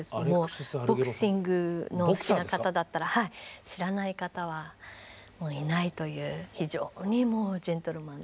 ボクシングのお好きな方だったら知らない方はいないという非常にもうジェントルマンで。